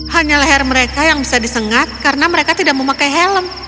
hanya leher mereka yang bisa disengat karena mereka tidak memakai helm